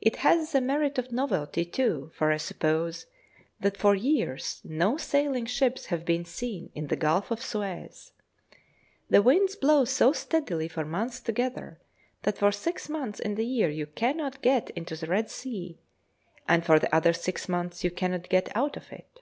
It has the merit of novelty too, for I suppose that for years no sailing ships have been seen in the Gulf of Suez. The winds blow so steadily for months together, that for six months in the year you cannot get into the Red Sea, and for the other six months you cannot get out of it.